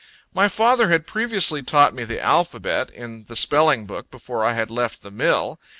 My father had previously taught me the alphabet, in the spelling book, before I had left the mill.